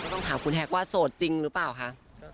ต้องถามคุณแฮกว่าโสดจริงหรือเปล่าคะ